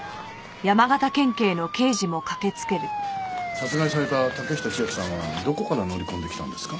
殺害された竹下千晶さんはどこから乗り込んできたんですか？